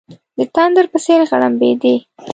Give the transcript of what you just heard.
د تندر په څېر غړمبېدی.